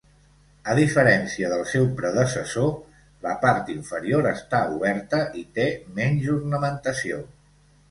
A diferència del seu predecessor, la part inferior està oberta i té menys ornamentació.